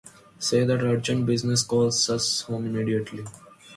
Say that urgent business calls us home immediately.